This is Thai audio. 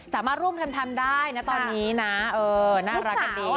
สามารถร่วมทำได้นะตอนนี้นะเออน่ารักกันดี